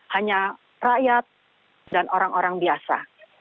hanya rakyat dan orang orang biasa